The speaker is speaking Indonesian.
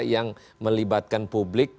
yang melibatkan publik